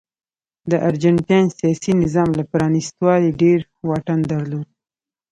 د ارجنټاین سیاسي نظام له پرانیستوالي ډېر واټن درلود.